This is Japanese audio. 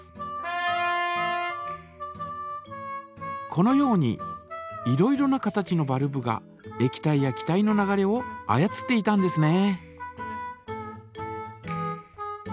このようにいろいろな形のバルブがえき体や気体の流れを操っていたんですね。